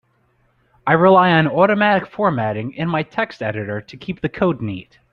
I rely on automatic formatting in my text editor to keep the code neat.